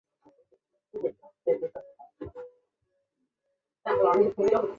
伍丰科技为一间于台湾证券柜台买卖中心上市之公司。